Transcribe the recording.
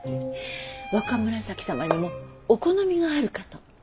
若紫様にもお好みがあるかと。